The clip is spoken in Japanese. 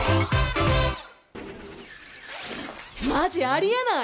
まじ？ありえない！